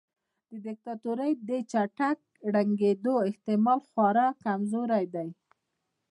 د دیکتاتورۍ د چټک ړنګیدو احتمال خورا کمزوری دی.